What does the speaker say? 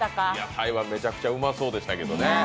台湾、めちゃくちゃうまそうでしたけどね。